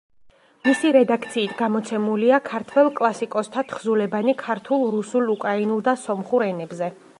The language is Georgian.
მისი რედაქციით გამოცემულია ქართველ კლასიკოსთა თხზულებანი ქართულ, რუსულ, უკრაინულ და სომხურ ენებზე.